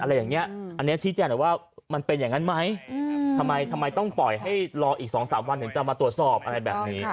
อะไรอย่างนี้อันนี้ชี้แจงหน่อยว่ามันเป็นอย่างนั้นไหมทำไมต้องปล่อยให้รออีก๒๓วันถึงจะมาตรวจสอบอะไรแบบนี้